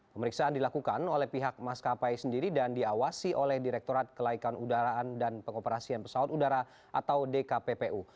pemeriksaan dilakukan oleh pihak maskapai sendiri dan diawasi oleh direktorat kelaikan udaraan dan pengoperasian pesawat udara atau dkppu